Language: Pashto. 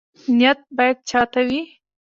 نیت باید چا ته وي؟